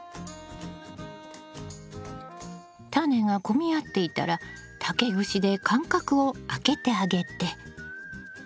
タネが混み合っていたら竹串で間隔を空けてあげて。